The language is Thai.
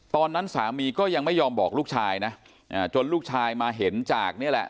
ตอนนั้นสามีก็ยังไม่ยอมบอกลูกชายนะจนลูกชายมาเห็นจากนี่แหละ